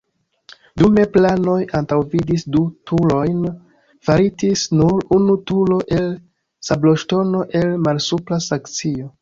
Dume planoj antaŭvidis du turojn faritis nur unu turo el sabloŝtono el Malsupra Saksio.